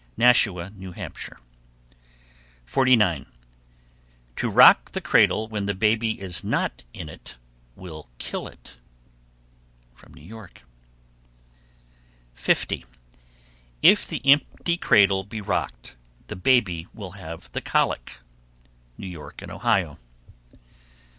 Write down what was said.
Nashua, N.H. 49. To rock the cradle when the baby is not in it will kill it. New York. 50. If the empty cradle be rocked, the baby will have the colic. _New York and Ohio.